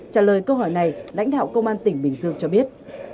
trả lời câu hỏi này lãnh đạo công an tỉnh bình dương cho biết